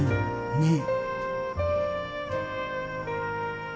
ねえ。